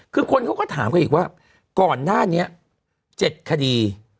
คือคนเขาก็ถามกันอีกว่าก่อนหน้านี้๗คดี